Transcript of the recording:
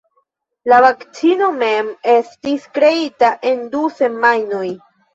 La vakcino mem estis kreita en du semajnoj.